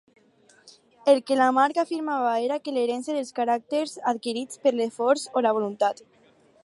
El que Lamarck afirmava era que l'herència dels caràcters adquirits per l'esforç o la voluntat.